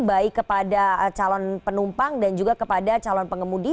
baik kepada calon penumpang dan juga kepada calon pengemudi